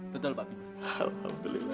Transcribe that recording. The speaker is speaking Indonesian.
betul pak bima